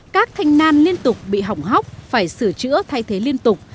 các thanh nan liên tục bị hỏng hóc phải sửa chữa thay thế liên tục